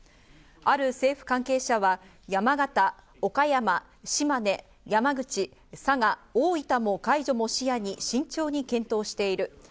ある政府関係者は山形、岡山、島根、山口、佐賀、大分も解除も視野に慎重に検討している。